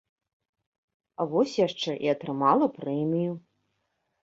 А вось яшчэ і атрымала прэмію.